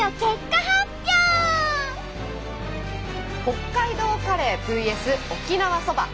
北海道カレーＶＳ．沖縄そば